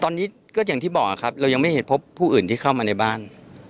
ตอนนี้ก็อย่างที่บอกครับเรายังไม่เห็นพบผู้อื่นที่เข้ามาในบ้าน